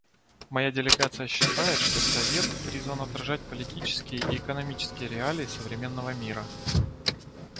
Моя делегация считает, что Совет призван отражать политические и экономические реалии современного мира.